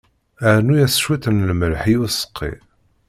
Rnu-yas cwiṭ n lmelḥ i useqqi.